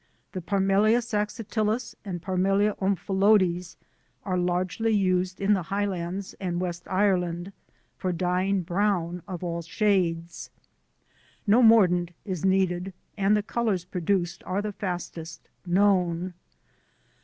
The Parmelia saxatilis and Parmelia omphalodes, are largely used in the Highlands and West Ireland, for dyeing brown of all shades. No mordant is needed, and the colours produced are the fastest known.